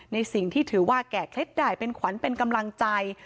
ในสิ่งที่ถือว่าแก่เคล็ดได้เป็นขวัญเป็นกำลังใจ